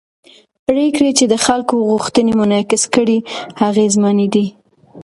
پرېکړې چې د خلکو غوښتنې منعکس کړي اغېزمنې دي